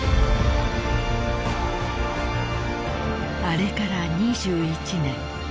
［あれから２１年］